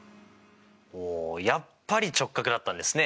ほうやっぱり直角だったんですね！